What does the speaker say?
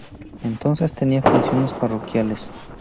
Entonces tenía funciones parroquiales.